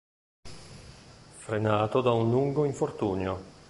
Frenato da un lungo infortunio.